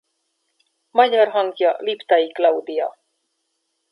Magyar hangja Liptai Claudia.